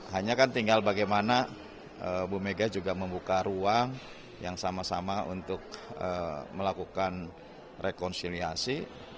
hanya kan tinggal bagaimana bu mega juga membuka ruang yang sama sama untuk melakukan rekonsiliasi